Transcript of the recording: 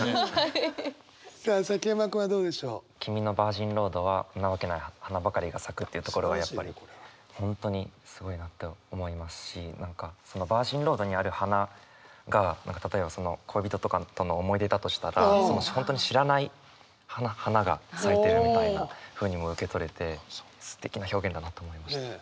さあ崎山君はどうでしょう？っていうところがやっぱり本当にすごいなと思いますし何かそのヴァージンロードにある花が例えばその恋人とかとの思い出だとしたら本当に知らない花が咲いてるみたいなふうにも受け取れてすてきな表現だなと思いました。